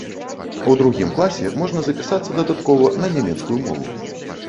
У другім класе можна запісацца дадаткова на нямецкую мову.